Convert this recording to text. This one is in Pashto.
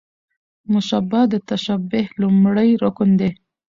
مشبه د تشبېه لومړی رکن دﺉ.